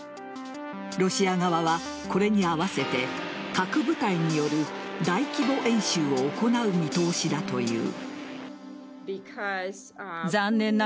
ロシア側はこれに合わせて核部隊による大規模演習を行う見通しだという。